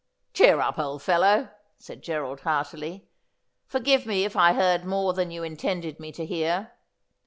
' Cheer up, old fellow,' said Gerald heartily. ' Forgive me if I heard more than you intended me to hear.